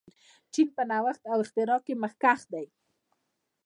چین په نوښت او اختراع کې مخکښ دی.